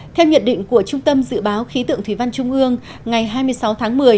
theo nhận định của trung tâm dự báo khí tượng thủy văn trung ương ngày hai mươi sáu tháng một mươi